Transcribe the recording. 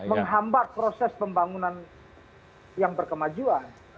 menghambat proses pembangunan yang berkemajuan